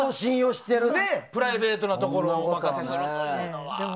プライベートなところをお任せするってね。